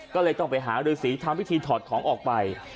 ก็เลยต้องไปหารือสีทำพิธีถอดของออกไป